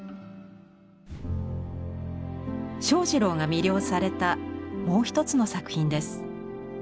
正二郎が魅了されたもう一つの作品です。